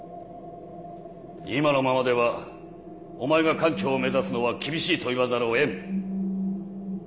今のままではお前が艦長を目指すのは厳しいと言わざるをえん。